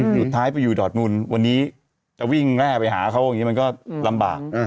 สุดท้ายไปอยู่ดอดมุนวันนี้จะวิ่งแร่ไปหาเขาอย่างนี้มันก็ลำบาก